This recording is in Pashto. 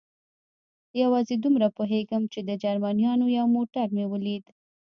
یوازې دومره پوهېږم، چې د جرمنیانو یو موټر مې ولید.